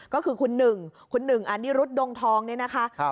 ก็คือคุณหนึ่งคุณหนึ่งอานิรุธดงทองเนี่ยนะคะ